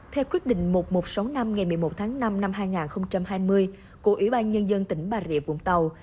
theo quyết định một nghìn một trăm sáu mươi năm ngày một mươi một tháng năm năm hai nghìn hai mươi của ủy ban nhân dân tỉnh bà rịa vũng tàu